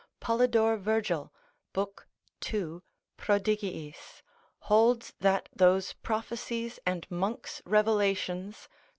Polydore Virgil, lib. 2. prodigiis, holds that those prophecies and monks' revelations?